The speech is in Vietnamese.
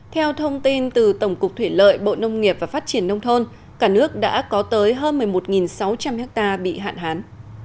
theo thông tin từ tổng cục thủy lợi bộ nông nghiệp và phát triển nông thôn cả nước đã có tới hơn một mươi một sáu trăm linh ha bị hạn hán